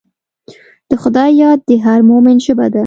د خدای یاد د هر مؤمن ژبه ده.